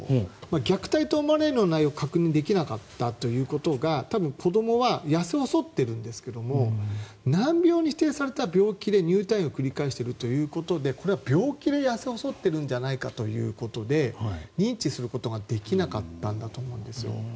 虐待と思われるような内容は確認できなかったということは多分、子供は痩せ細っているんですけど難病に指定された病気で入退院を繰り返しているということでこれは病気で痩せ細っているんじゃないかということで認知することができなかったんだと思うんです。